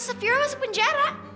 safira masuk penjara